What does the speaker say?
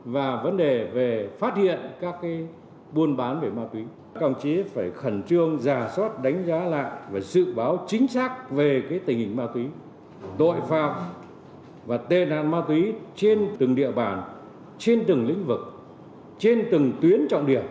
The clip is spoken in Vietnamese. và vấn đề về phát hiện các buôn bán về ma túy các đồng chí phải khẩn trương giả soát đánh giá lại và dự báo chính xác về tình hình ma túy tội phạm và tệ nạn ma túy trên từng địa bàn trên từng lĩnh vực trên từng tuyến trọng điểm